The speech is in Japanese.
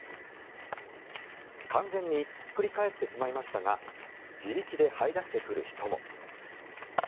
完全にひっくり返ってしまいましたが自力ではい出してくる人も。